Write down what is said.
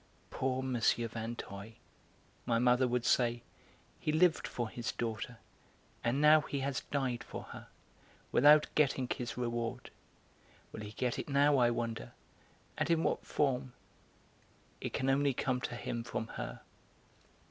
"Poor M. Vinteuil," my mother would say, "he lived for his daughter, and now he has died for her, without getting his reward. Will he get it now, I wonder, and in what form? It can only come to him from her."